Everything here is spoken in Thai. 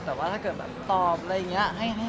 แต่ว่าถ้าเกิดแบบตอบอะไรอย่างนี้